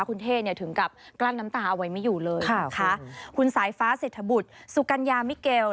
คุณเท่เนี่ยถึงกับกลั้นน้ำตาเอาไว้ไม่อยู่เลยนะคะคุณสายฟ้าเศรษฐบุตรสุกัญญามิเกล